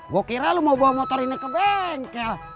gue kira lo mau bawa motor ini ke bengkel